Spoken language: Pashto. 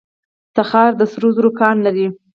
تخار د سرو زرو کان لري